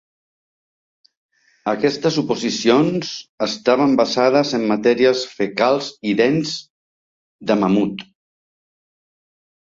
Aquestes suposicions estaven basades en matèries fecals i dents de mamut.